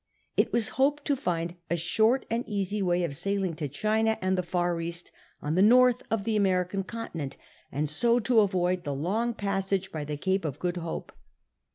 It was hoped to find a short and easy way of sailing to China and the Far liist on the north of the American Continejit, and so to avoid the long passage by the Cape of Good Hope.